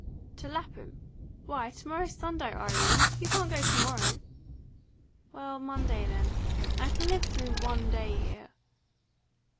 "To Lapham? Why, to morrow's Sunday, Irene! You can't go to morrow." "Well, Monday, then. I can live through one day here."